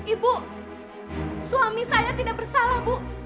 ibu suami saya tidak bersalah bu